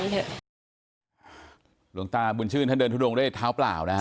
หลวงตาบุญชื่นท่านเดินทุดงด้วยเท้าเปล่านะฮะ